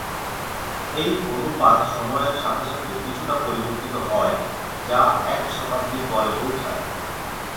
এই অনুপাত সময়ের সাথে সাথে কিছুটা পরিবর্তিত হয়, যা এক শতাব্দী পরে পৌঁছায়।